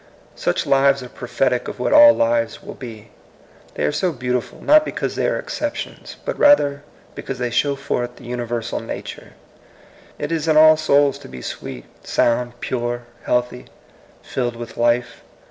Such lives are prophetic of what all lives will be. They are so beauti ful, not because they are exceptions, but rather because they show forth the univer sal nature. It is in all souls to be sweet, sound, pure, healthy, filled with life.